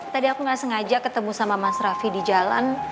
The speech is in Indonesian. tadi aku gak sengaja ketemu sama mas raffi di jalan